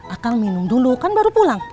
akal minum dulu kan baru pulang